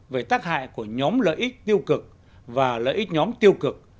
về tác hại của nhóm lợi ích tiêu cực và lợi ích nhóm tiêu cực